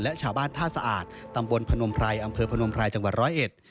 และชาวบ้านท่าสะอาดตำบลพนมภรรย์อังเภอพนมภรรย์จังหวัด๑๐๑